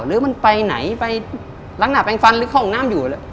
หรือมันไปไหนไปลักษณะเป็นฟันหรือเข้าห้องน้ำอยู่